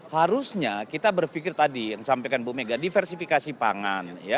harusnya kita berpikir tadi yang sampaikan bu mega diversifikasi pangan